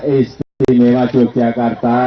is mainly metadata